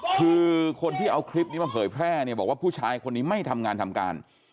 คือคนที่เอาคลิปนี้มาเผยแพร่เนี่ยบอกว่าผู้ชายคนนี้ไม่ทำงานทำการ